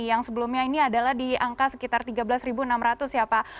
yang sebelumnya ini adalah di angka sekitar tiga belas enam ratus ya pak